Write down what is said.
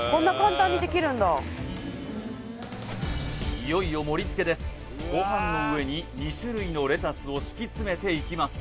いよいよ盛りつけですご飯の上に２種類のレタスを敷き詰めていきます